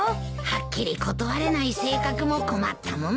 はっきり断れない性格も困ったもんだなあ。